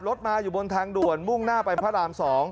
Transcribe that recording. รถมาอยู่บนทางด่วนมุ่งหน้าไปพระราม๒